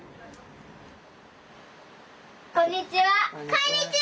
こんにちは。